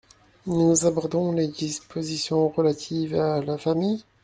Nous abordons les dispositions relatives à la famille.